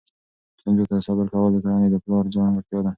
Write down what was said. ستونزو ته صبر کول د کورنۍ د پلار ځانګړتیا ده.